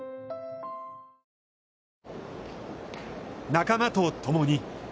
仲間と共に。